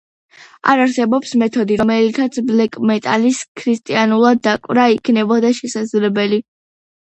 არ არსებობს მეთოდი, რომლითაც ბლეკ-მეტალის ქრისტიანულად დაკვრა იქნებოდა შესაძლებელი.